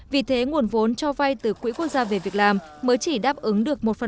vì thế nguồn vốn cho vay từ quỹ quốc gia về việc làm mới chỉ đáp ứng